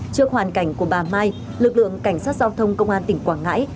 trước hoàn cảnh của bà mai lực lượng cảnh sát giao thông công an tỉnh quảng ngãi